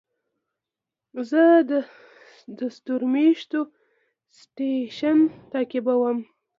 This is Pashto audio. زه د ستورمېشت سټېشن تعقیبوم.